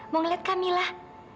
mau ngeliat kamilah